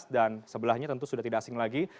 dan sebelahnya tentu sudah tidak asing lagi